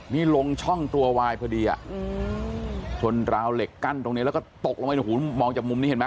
นี่ลงช่องตัววายพอดีชนราวเหล็กกั้นตรงนี้แล้วก็ตกลงไปมองจากมุมนี้เห็นไหม